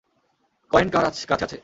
Coin কার কাছে আছে?